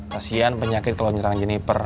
kasian penyakit kalau nyerang jennifer